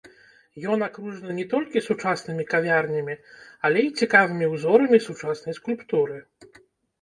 Ён акружаны не толькі сучаснымі кавярнямі, але і цікавымі ўзорамі сучаснай скульптуры.